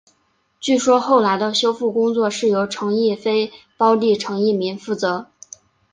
据说后来的修复工作是由陈逸飞胞弟陈逸鸣负责。